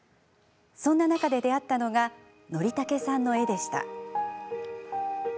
そんな中で出会ったのがＮｏｒｉｔａｋｅさんの絵でした。